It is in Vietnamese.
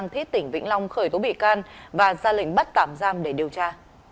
thít tỉnh vĩnh long khởi tố bị can và ra lệnh bắt tạm giam để điều tra